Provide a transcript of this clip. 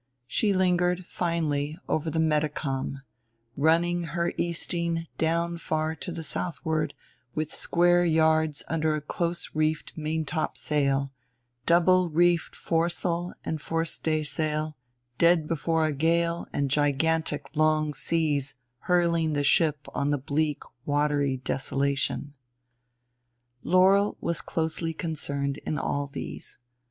She lingered, finally, over the Metacom, running her easting down far to the southward with square yards under a close reefed maintop sail, double reefed foresail and forestaysail, dead before a gale and gigantic long seas hurling the ship on in the bleak watery desolation. Laurel was closely concerned in all these.